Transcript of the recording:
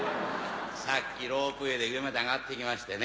さっきロープウエーで上まで上がって来ましてね。